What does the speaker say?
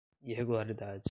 irregularidades